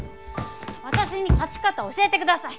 私に勝ち方を教えてください。